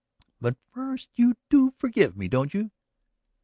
But first, you do forgive me, don't you?"